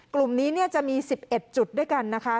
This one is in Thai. กลุ่มนี้จะมี๑๑จุดด้วยกันนะคะ